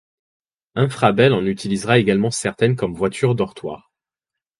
Infrabel en utilisera également certaines comme voitures-dortoirs.